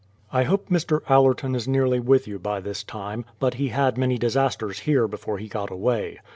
I hope Mr. Allcrton is nearly with you by this time; but he had many disasters here before he got away.